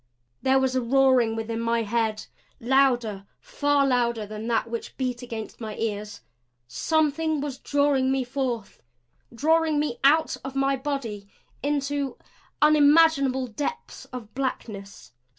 There was a roaring within my head louder, far louder, than that which beat against my ears. Something was drawing me forth; drawing me out of my body into unimaginable depths of blackness.